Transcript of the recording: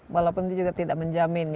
walaupun itu juga tidak menjamin